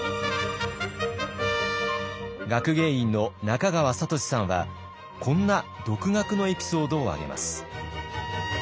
学芸員の中川里志さんはこんな独学のエピソードを挙げます。